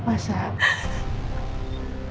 perasaan kamu apa sa